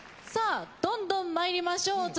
さあどんどん参りましょう。